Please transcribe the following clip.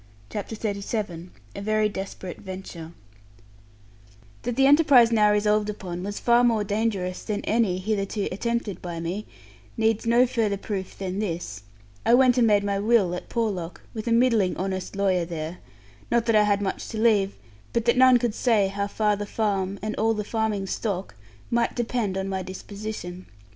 CHAPTER XXXVII A VERY DESPERATE VENTURE That the enterprise now resolved upon was far more dangerous than any hitherto attempted by me, needs no further proof than this: I went and made my will at Porlock, with a middling honest lawyer there; not that I had much to leave, but that none could say how far the farm, and all the farming stock, might depend on my disposition.